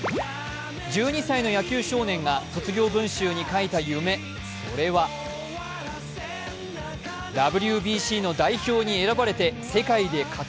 １２歳の野球少年が卒業文集に書いた夢、それは今や侍の４番を担う村上。